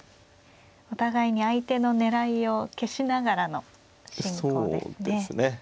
お互いに相手の狙いを消しながらの進行ですね。